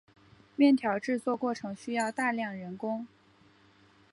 面条制作过程需要大量人工。